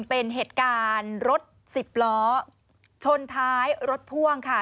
เป็นเหตุการณ์รถสิบล้อชนท้ายรถพ่วงค่ะ